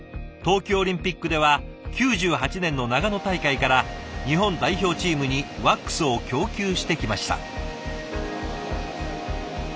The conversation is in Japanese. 冬季オリンピックでは９８年の長野大会から日本代表チームにワックスを供給してきました。